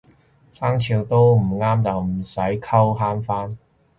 生肖都唔啱就唔使溝慳返